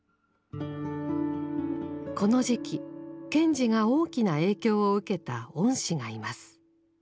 この時期賢治が大きな影響を受けた恩師がいます。